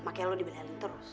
makanya kamu dibela diri terus